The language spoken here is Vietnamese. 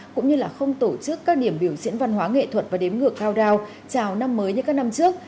cũng như không tổ chức các điểm biểu diễn văn hóa nghệ thuật và đếm ngược cao đao chào năm mới như các năm trước